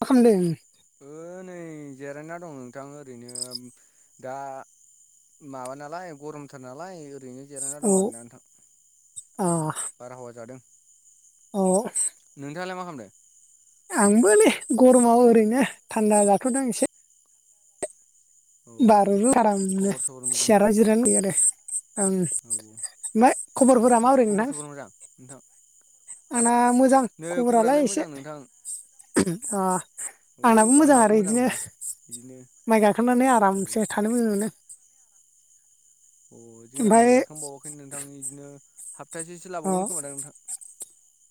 मा खालामदों नै जिरायना दं नोंथां ओरैनो दा माबा नालाय गरमथार नालाय ओरैनो जिरायना औ दं आरोना नोंथां अ बारहावा जादों औ नोंथाङालाय मा खालामदों आंबो नेै गरमाव ओरैनो थान्दा जाथ'दों एसे औ बारूरू आरामनो खबर सबर मोजां ना [unintelligible] ओं औ ओमफ्राय औ खबरफोरा माबोरै खबर नोंथां सबर मोजां नोंथां आना मोजां नै खबरालाय एसे मोजां नोंथां अ औ आंनाबो औ मोजां आरो बिदिनो नै बिदिनो माइ गाखोनानै औ आरामसे थानो मोजां मोनो अ जोंना नै ओमफ्राय गायखांबावाखैनो नोंथां बिदिनो हाफथासेसो अ लाबावगोन खोमा दा नोंथां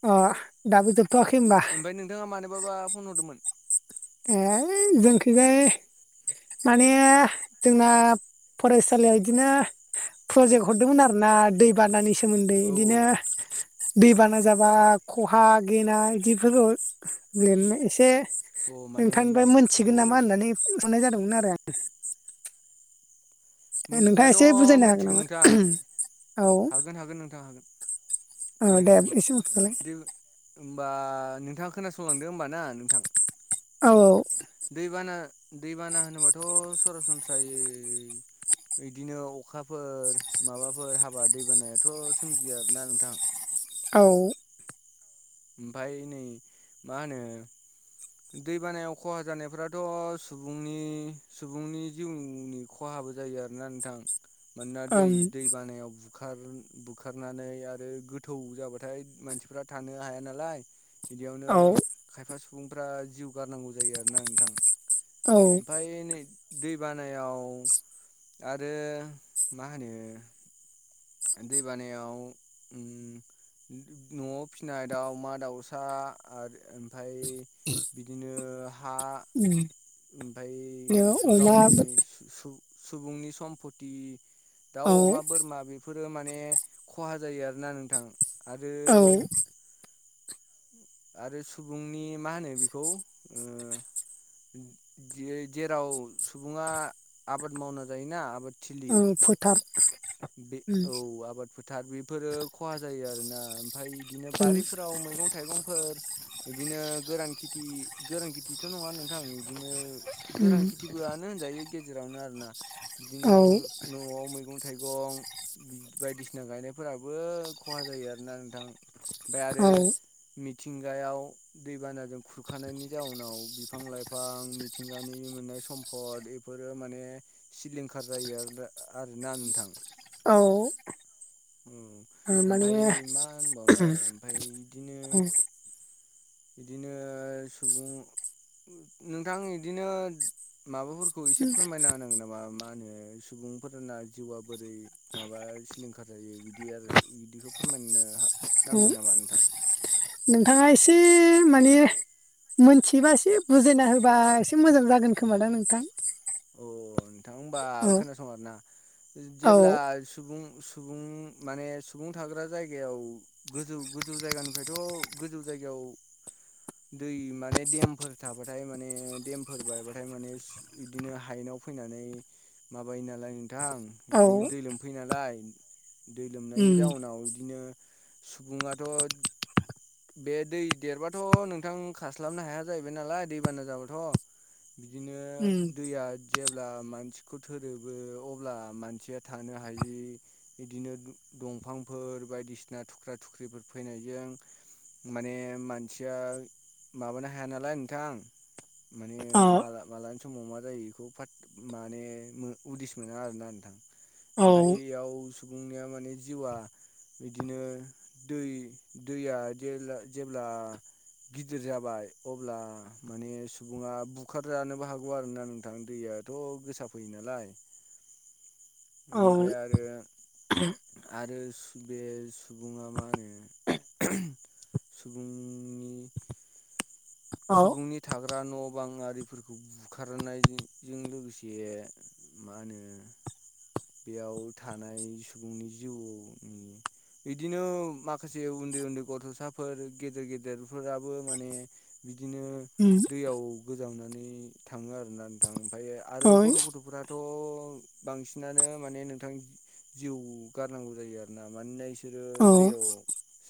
अ दाबो जोबथ'आखै ओमबा ओमफ्राय नोंथाङा मानोबाबा फन हरदोंमोन ए ओइ जोंखैजाय माने जोंना फरायसालियाव बिदिनो प्रजेक्ट हरदोंमोन आरोना दै बानानि सोमोन्दै औ बिदिनो औ दैबाना जाबा खहा गेना बिदिफोरखौ लिरनाय एसे अ माने मा नोंथांनिफ्राय औ मोनथिगोन औ नामा होननानै हरनाय जादोंमोन आरो आं नोंथाङा एसे मिथिनायाथ' बुजायनो हागोन मोनथिगोन नामा नोंथां औ हागोन हागोन नोंथां हागोन औ मानो दे हायाजानो एसे दु बुंफिनलाय होनोमबा नोंथाङा खोनासंलांदो होमबा ना नोंथां औ औ दैबाना दैबाना होनोबाथ' सरासनस्रायै बिदिनो अखाफोर माबाफोर हाबा दैबानायाथ' सोमजियो आरोना नोंथां औ ओमफ्राय नै मा होनो दै बानायाव खहा जानायफोराथ' सुबुंनि सुबुंनि जिउनि खहाबो जायो आरोना नोंथां मानोना ओं दै बानायाव बुखारनानै आरो गोथौ जाबाथाय मानसिफ्रा थानो हाया नालाय बिदियावनो औ खायफा सुबुंफ्रा जिउ गारनांगौ जायो आरोना नोंथां औ ओमफ्राय नै दै बानायाव आरो मा होनो दै बानायाव ओम न'आव फिसिनाय दाउमा दाउसा आर ओमफ्राय बिदिनो हा बिदिनो ओमफ्रायसो अमा गावनि सु -सु सुबुंनि सम्पति दाउ औ अमा बोरमा बे फोरो माने खहा जायो आरोना नोंथां आरो औ आरो सुबुंनि मा होनो बेखौ ओ जेराव सुबुङा आबाद मावना जायोना आबाद ओ फोथार बे उम औ आबाद फोथार बेफोरो खहा जायो आरोना ओमफाय इदिनो उम बारिफोराव मैगं थाइगंफोर बिदिनो गोरान खेथि गोरान खेथिथ' नङा नोंथां बिदिनो उम गोरान खिथिबोआनो होनजायो गेजेरावनो आरोना बिदिनो औ न'आव मैंगं थाइगं बायदिसिना गायनायफोराबो खहा जायो आरोना नोंथां ओमफ्राय आरो औ मिथिंगायाव दैबानाजों खुरखानायनि जाउनाव बिफां लाइफां नि मिथिंगानि मोननाय सम्फद एफोरो माने सिलिंखार जायो आरोदा आरोना नों नोंथां औ ओम माने ओमफाय मा होनबावनो आरो ओमफाय इदिनो बिदिनो सुबुं नोंथां इदिनो माबाफोरखौ एसे फोरमायना होनांगोन नामा मा होनो सुबुंफोरना जिउआ बोरै माबा सिलिंखार जायो बिदि आरो बिदिखौ फोरमायनोनो हा औ नोंथाङा एसे माने मोनथियोबा एसे बुजायना होबा एसे एसे मोजां जागोन खोमा दां नोंथां औ नोंथां हबा औ खोनासं आरोना जेब्ला औ सुबुं सु सुबुं माने सुबुं थाग्रा जायगायाव गोजौ गोजौ जायगानिफ्रायथ' गोजौ जायगायाव दै माने देमफोर थाबाथाय माने देम फोर बायबाथाय माने बिदिनो हायेनाव फैनानै माबायो नालाय नोंथां औ बिदिनो दै लोमफैयो नालाय दै लोमनायनि उम जाउनाव बिदिनो सुबुङाथ' बे दै देरबाथ' नोंथां खारस्लाबनो हाया जाहैबाय नालाय दैबाना जाबाथ' बिदिनो उम दैया जेब्ला मानसिखौ थोरोबो अब्ला मानसिया थानो हायि बिदिनो दंफांफोर बायदिसिना थुख्रा थुख्रिफोर फैनायजों माने मानसिया माबानो हाया नालाय नोंथां माने औ मा मालानि समाव मा जायो बेखौ फोट माने उदिस मोना आरोना नोंथां औ ओमफाय याव सुबुंनिया माने जिउआ बिदिनो दै दैया जेब्ला- जेब्ला गिदिर जाबाय अब्ला माने सुबुङा बुखार जानोबो हागौ आरोना नोंथां दैया थ' गोसा फैयो नालाय [unintelligible] बेनिफ्राय आरो आरो बे सुबुङा मा होनो सुबुंनि औ सुबुंनि थाग्रा न' बां आरिफोरखौ बुखारनायजों लोगोसे मा होनो बेयाव थानाय सुबुंनि जिउनि बिदिनो माखासे उन्दै उन्दै गथ'साफोर गेदेर गेदेरफोराबो माने बिदिनो उ दैयाव गोजावनानै थाङो आरोना नोंथां ओफायो आरो औ गथ' गथ'फोरा दाथ' बांसिनानो माने नोंथां जिउ गारनांगौ जायो आरोना मानोना बिसोरो औ दैयाव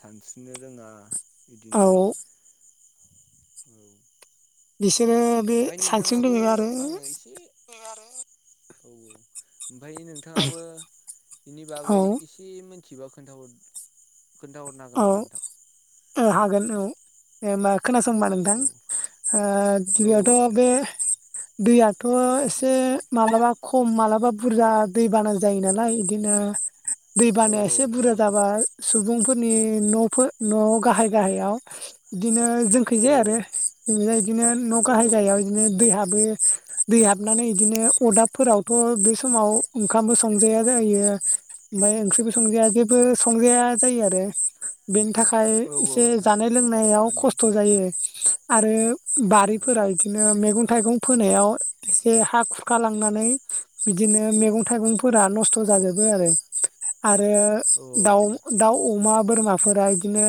सानस्रिनो रोङा औ बिदिनो औ बिसोरो बे ओमफ्राय सानस्रिनो नोंथाङाबो रोङो आङो एसे औ औ ओमफ्राय नोंथाङाबो बेनि बागै आरो एसे एसे मिथिबा खोनथाहर खोन्थाहरनो औ हागोन नामा नोंथां हागोन औ मा खोनासंबा औ नोंथां औ गिबियावथ' बे दैयाथ' एसे माब्लाबा खम माब्लाबा बुरजा दैबाना जायो नालाय बिदिनो दै बानाया औ एसे नोंथां बुरजा औ नोंथां औ जाबा सुबुंफोरनि न'फोर न'आव गाहाय गाहायाव बिदिनो औ जोंखिजाय आरो जेरैजाय बिदिनो न' औ गाहाय औ गाहायाव नोंथां बिदिनो दै हाबो दै हाबनानै बिदिनो अरदाबफोरावथ' बे समाव ओंखामबो संजाया जायो ओमफ्राय ओंख्रिबो संजाया जेबो संजाया जायो आरो बेनि थाखाय औ औ एसे नोंथां औ जानाय लोंनायाव माने खस्थ' जायो आरो बारिफोरा बिदिनो मैगं थाइगं फोनायाव एसे हा खुरखा लांनानै बिदिनो मैगं थाइगंफोरा नस्थ' जाजोबो आरो आरो ओ औ दाउ दाउ अमा बोरमाफोरा इदिनो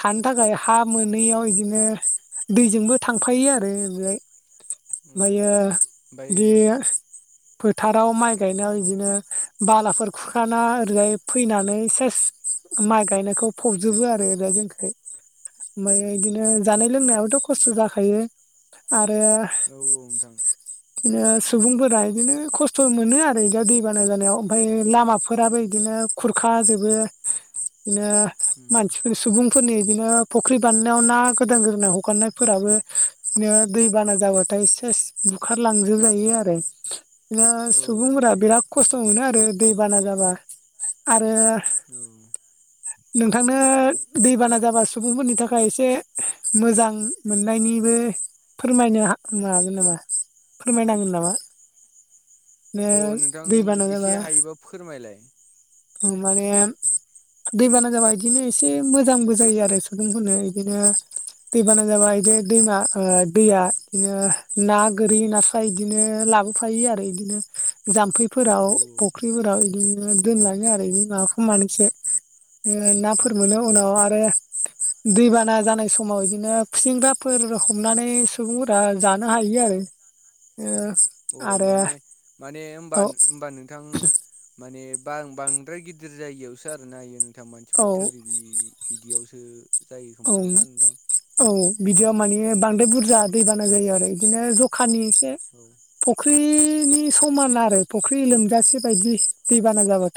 थानो थाखाय हा मोनैयाव बिदिनो दैजोंबो थांफायो आरो बेहाय ओमफायो ओमफ्राय बे फोथाराव माइ गायनायाव बिदिनो बालाफोर खुरखाना ओरैजाय फैनानै एसे माइ गायनायखौ फबजोबो आरो दा जोंखाय औ ओमफ्राय बिदिनो जानाय लोंनायावथ' खस्थ' जाखायो आरो औ औ नोंथां [inaudible] बिदिनो सुबुंफोरा बिदिनो खस्थ' मोनो आरो बिदियाव दै बाना जानायाव ओमफ्राय लामाफोराबो बिदिनो खुरखाजोबो बिदिनो उम मानसिफोर सुबुंफोरनि बिदिनो फुख्रि बानायनायाव ना गोदान गोदोना हगारनायफोराबो बिदिनो दै बाना जाबाथाय सेस बुखारलांजोबजायो आरो बिनो औ सुबुंफोरा नोंथां बिराद खस्थ' मोनो आरो दै बाना जाबा आरो औ नोंथांनो दैबाना जाबा सुबुंफोरनि थाखाय एसे मोजां मोननायनिबो फोरमायनो मागोन नामा फोरमायनांगोन नामा [inaudible] अ बिदिनो नोंथां दैबाना जाबा एसे हायोबा फोरमायलाय माने दैबाना जाबा इदिनो एसे मोजांबो जायो आरो सुबुंफोरनो बिदिनो दै बाना जाबा बि दैमा दैया बिदिनो ना गोरि नाथुर ओमफ्राय बिदिनो लाबोफायो आरो बिदिनो जामफै फोराव औ फख्रिफोराव बिदिनो औ दोनलाङो आरो बिदि माबाखौ मानोसो औ नाफोर मोनो उनाव आरो दैबाना जानाय समाव बिदिनो फिथिंग्राफोर हमनानै सुबुंफोरा जानो हायो आरो ओ अ माने माने होनबा ओ आरो होमबा नोंथां माने बां बांद्राय गिदिर जायगायावसो आरो नायो नों थां औ मानसिफोर थोरिबि बिदियावसो जायो औ खोमादोंना नोंथां औ बिदियाव औ माने बांद्राय बुरजा दैबाना जायो आरो बिदिनो जखानि एसे औ फुख्रिनि समान आरो फुख्रि लोमजासे बायदि दैबाना जाबा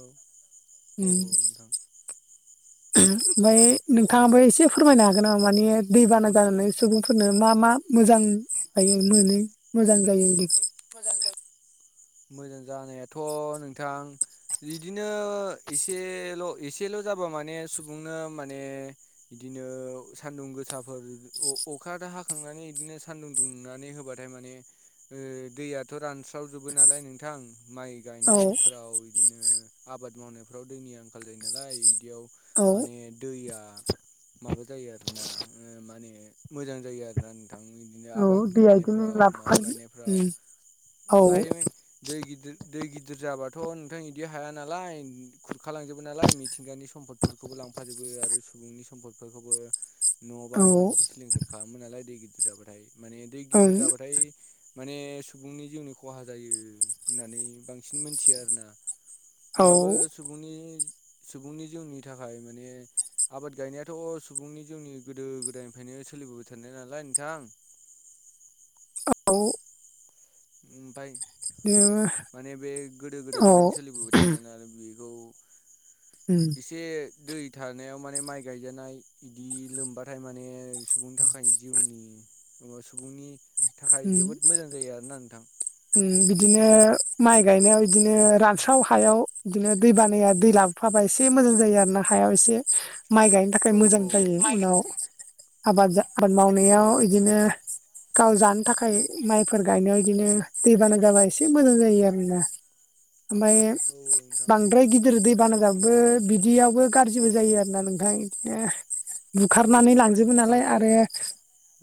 औ औ औ नोंथां ओमफ्राय नोंथाङाबो एसे फोरमायनो हागोन नामा माने दैबाना जानानै सुबुंफोरनो मा मा मोजां जायो मोनो मोजां जायो मोजां जायो मोजां जानायाथ' नोंथां इदिनो एसेल' एसेल' जाबा माने सुबुंनो माने बिदिनो सान्दुं गोसाफोर अखाद' हाखांनानै बिदिनो सान्दुं दुंनानै होबाथाय माने दैयाथ' रानस्राव जोब नालाय नोंथां माइ औ गायनायफोराव इदिनो आबाद मावनायफ्राव दैनि आंखाल जायो नालाय इदियाव औ माने दैया माबा जायो आरोना माने मोजां जायो आरोना नोंथां बिदिनो औ आबाद दैया बिदिनो गायनायफ्राव माबा लाबोखागोन गायनायफ्राव उम औ ओमफ्राय दै गिदिर दै गिदिर जाबाथ' नोंथां इदि हाया नालाय खुरखालांजोबो नालाय मिथिंगानि सम्फद फोरखौबो लांफोबो आरो सुबुंनि सम्पदफोरखौबो न' औ ओं बांंफोरखौबो सिलिंखार खालामो नालाय दै गिदिर जाबाथाय माने दै गिदिर जाबाथाय माने सुबुंनि जिउनि खहा जायो होननानै बांसिन मोनथियो आरोना औ होनबाबो सुबुंनि सुबुंनि जिउनि थाखाय माने आबाद गायनायाथ' सुबुंनि जोंनि गोदो गोदायनिफ्रायनो सोलिबोबाय थानाय नालाय नोंथां औ ओमफ्राय बिदिनो माने बे गोदो औ गोदायनिफ्रायनो सोलिबोबाय थानाय नालाय बेखौ उम एसे दै थानायाव माने माइ गायजानाय बिदि लोमबाथाय माने सुबुंनि थाखाय जिउनि मा सुबुंनि थाखाय उम जोबोद मोजां जायो आरोना नोंथां उम बिदिनो माइ गायनायाव बिदिनो रानस्राव हायाव बिदिनो दै बानाया दै ला फाबा एसे मोजां जायो आरो ना हायाव एसे माइ गाय थाखाय औ मोजां जायो उनाव आबाद आबाद औ नोंथां औ मावनायाव इदिनो गाव जानो थाखाय माइफोर गायनायाव बिदिनो दैबाना जाबा एसे मोजां जायो आरोना ओमफ्राय औ नोंथां बांद्राय गि गिदिर दै बानाजाबाबो बिदियावबो गाज्रिबो जायो आरोना नोंथां बिदिनो औ बुखारनानै लांजोबो नालाय बांद्राय आरो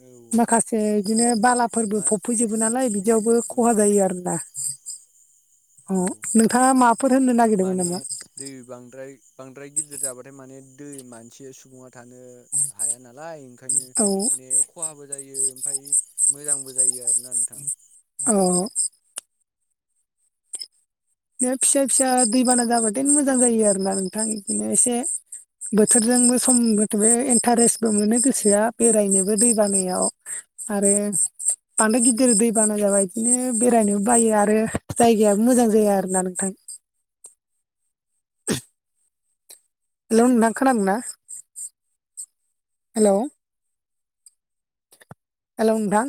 औ माखा से बिदिनो बालाफोरबो मा फबफैजोबो नालाय बिदियावबो औ औ आरो ना अ औ औ नोंथाङा माबाफोर होननो नागिरदोंमोन माने नामा दै बांद्राय बांद्राय गिदिर जाबाथाय माने दै मानसि सुबुङा थानो हाया नालाय ओंखायनो औ माने खहाबो जायो ओमफ्राय मोजांबो जायो आरो औ बे फिसा फिसा दैबाना जाबाथाय मोजां जायो आरो ना नोंथां बिदिनो एसे बोथोरजोंबो सम बथे इन्टारेस्टबो मोनो गोसोआ बेरायनोबो दै बानायाव आरो बांद्राय गिदिर दैबाना जाबा बिदिनो बेरायनोबो बायो आरो जायगायाबो मोजां जाया दा नोंथां हेलौ नोंथां खोनादों ना हेलौ हेलौ नोंथां